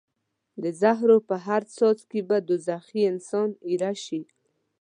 د زهرو په هر څاڅکي به دوزخي انسان ایره شي.